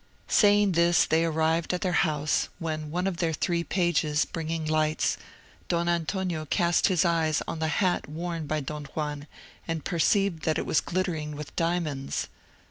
Saying this they arrived at their house, when one of their three pages, bringing lights, Don Antonio cast his eyes on the hat worn by Don Juan, and perceived that it was glittering with diamonds.